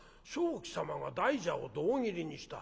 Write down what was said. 鍾馗様が大蛇を胴切りにした。